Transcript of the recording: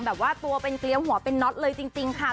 แบบว่าตัวเป็นเกลียวหัวเป็นน็อตเลยจริงค่ะ